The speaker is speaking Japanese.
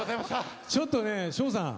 ちょっとね翔さん。